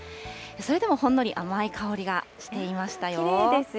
それでもほんのり甘い香りがしていましたよ。